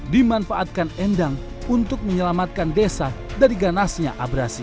dimanfaatkan endang untuk menyelamatkan desa dari ganasnya abrasi